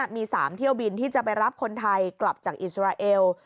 มี๓เที่ยวบินที่จะไปรับคนไทยกลับจากอิสราเอล